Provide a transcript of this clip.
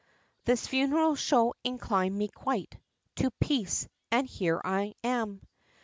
XVII. This funeral show inclined me quite To peace: and here I am!